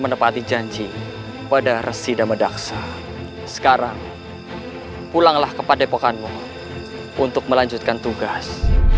menepati janji pada residah medaksa sekarang pulanglah kepada pokoknya untuk melanjutkan tugas